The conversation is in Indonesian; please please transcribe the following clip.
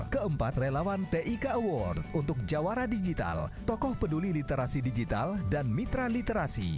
keempat relawan tik award untuk jawara digital tokoh peduli literasi digital dan mitra literasi